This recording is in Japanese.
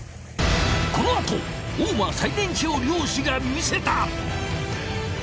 このあと大間最年少漁師が見せた！